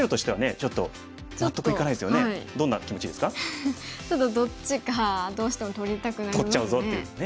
ちょっとどっちかどうしても取りたくなりますね。